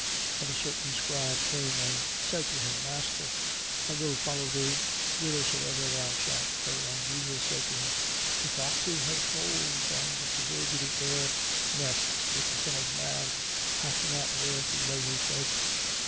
8:19. And a certain scribe came and said to him: Master, I will follow thee whithersoever thou shalt go. 8:20. And Jesus saith to him: The foxes have holes, and the birds of the air nests; but the Son of man hath not where to lay his head.